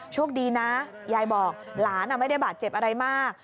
โชคดีนะยายบอกหลานไม่ได้บาดเจ็บอะไรมาก